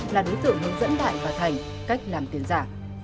là đối tượng hướng dẫn đại và thành cách làm tiền giả